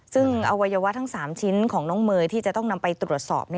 ซึ่งอวัยวะทั้ง๓ชิ้นของน้องเมย์ที่จะต้องนำไปตรวจสอบ